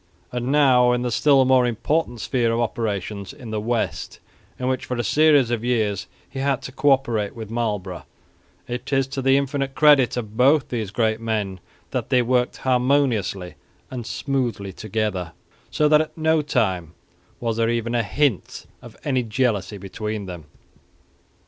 And now, in the still more important sphere of operations in the West in which for a series of years he had to co operate with Marlborough, it is to the infinite credit of both these great men that they worked harmoniously and smoothly together, so that at no time was there even a hint of any jealousy between them.